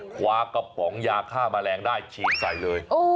คว้ากระป๋องยาฆ่าแมลงได้ฉีดใส่เลย